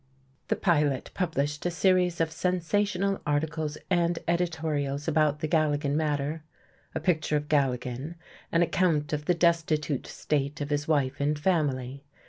The Pilot published a series of sensational articles and editorials about the Galligan matter, a picture of Galligan, an account of the destitute state of his wife and family.